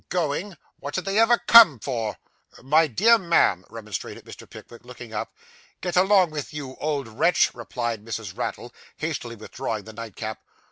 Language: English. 'Going! what did they ever come for?' 'My dear ma'am,' remonstrated Mr. Pickwick, looking up. 'Get along with you, old wretch!' replied Mrs. Raddle, hastily withdrawing the nightcap.